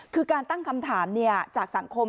คือการตั้งคำถามจากสังคม